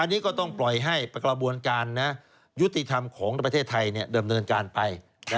อันนี้ก็ต้องปล่อยให้ประกอบวนการนะฮะยุติธรรมของประเทศไทยเนี่ยเดิมเนินการไป